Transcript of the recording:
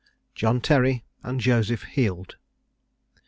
JOHN TERRY AND JOSEPH HEALD.